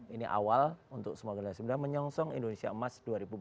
ini awal untuk semua generasi muda menyongsong indonesia emas dua ribu empat puluh